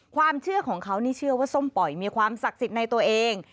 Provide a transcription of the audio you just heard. ความเชื่อของเขานี่เชื่อว่าส้มป่อยมีความศักดิ์สิทธิ์ในตัวเอง